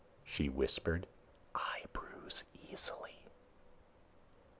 she whispered. "I bruise easily...."